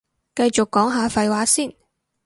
繼續講下廢話先